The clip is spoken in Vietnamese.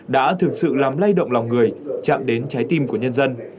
đã thực sự làm lay động lòng người chạm đến trái tim của nhân dân